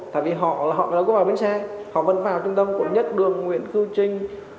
tại vì họ là họ đã cố vào bến xe họ vẫn vào trung đông của nhất đường nguyễn khư trinh